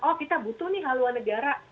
oh kita butuh nih haluan negara